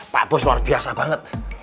pak bos luar biasa banget